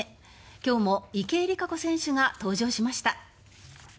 今日も池江璃花子選手が登場しました。